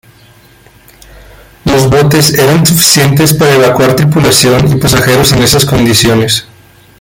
Los botes eran insuficientes para evacuar tripulación y pasajeros en esas condiciones.